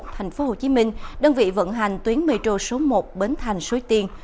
thành phố hồ chí minh đơn vị vận hành tuyến metro số một bến thành suối tiên